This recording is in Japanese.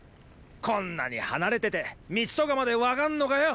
こんなに離れてて道とかまで分かんのかよ